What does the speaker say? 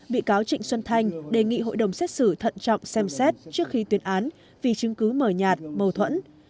bị cáo trịnh xuân thanh đề nghị hội đồng xét xử thận trọng xem xét trước khi tuyên án vì chứng cứ mờ nhạt mâu thuẫn